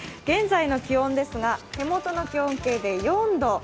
現在の気温ですが、手元の気温系で４度。